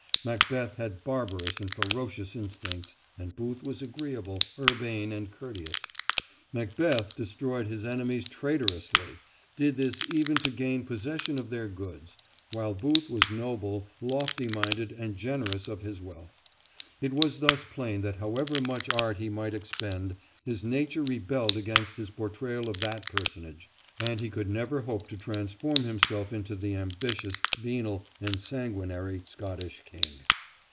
Macbeth had barbarous and ferocious instincts, and Booth was agreeable, urbane, and courteous. Macbeth destroyed his enemies traitorously did this even to gain possession of their goods while Booth was noble, lofty minded, and generous of his wealth. It is thus plain that however much art he might expend, his nature rebelled against his portrayal of that personage, and he could never hope to transform himself into the ambitious, venal, and sanguinary Scottish king.